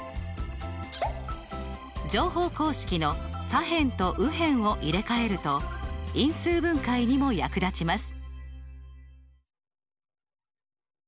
乗法公式の左辺と右辺を入れ替えると因数分解にも役立ちます。